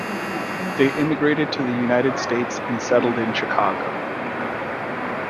They immigrated to the United States and settled in Chicago.